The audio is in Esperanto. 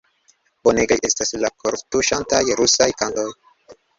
Bonegaj estas la kortuŝantaj rusaj kantoj!